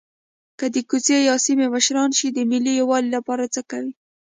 که د کوڅې یا سیمې مشران شئ د ملي یووالي لپاره څه کوئ.